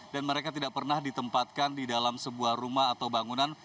dan mereka tidak pernah ditempatkan di dalam sebuah rumah atau bangunan